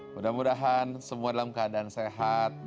mudah mudahan semua dalam keadaan sehat